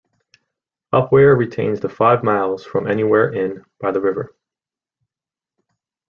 Upware retains the Five Miles from Anywhere Inn by the river.